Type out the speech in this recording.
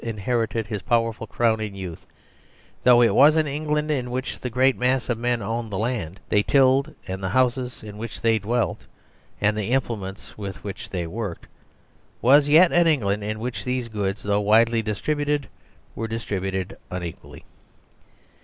inherited his power ful Crown in youth, though it was an England in which the great mass of men owned the land they tilled and the houses in which they dwelt, and the im 58 THE DISTRIBUTIVE FAILED plements with which they worked, was yet an Eng land in which these goods, though widely distributed, were distributed unequally.